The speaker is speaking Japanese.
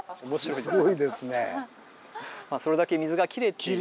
それだけ水がきれいっていう。